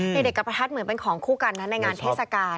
เด็กกับประทัดเหมือนเป็นของคู่กันนะในงานเทศกาล